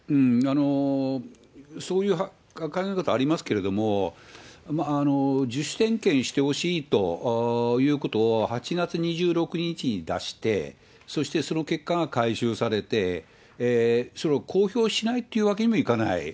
そういう考え方ありますけれども、自主点検してほしいということを８月２６日に出して、そしてその結果が回収されて、それを公表しないというわけにもいかない。